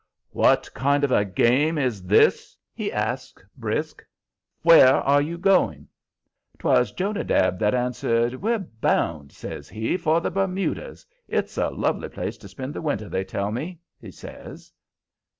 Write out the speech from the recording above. "What kind of a game is this?" he asks, brisk. "Where are you going?" 'Twas Jonadab that answered. "We're bound," says he, "for the Bermudas. It's a lovely place to spend the winter, they tell me," he says.